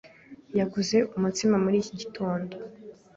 Yaguze umutsima muri iki gitondo.